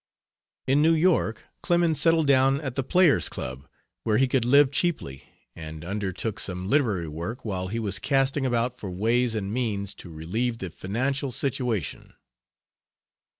In New York, Clemens settled down at the Players Club, where he could live cheaply, and undertook some literary work while he was casting about for ways and means to relieve the financial situation.